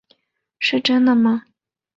是真的吗？